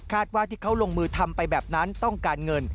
ว่าที่เขาลงมือทำไปแบบนั้นต้องการเงิน